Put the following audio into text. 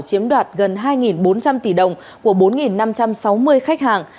chiếm đoạt gần hai bốn trăm linh tỷ đồng của bốn năm trăm sáu mươi khách hàng